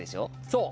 そう。